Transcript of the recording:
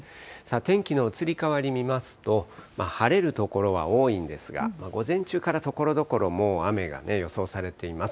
天気の移り変わり見ますと、晴れる所は多いんですが、午前中からところどころ、雨が予想されています。